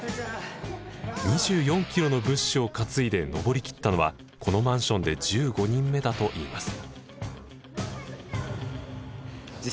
２４キロの物資を担いで上りきったのはこのマンションで１５人目だといいます。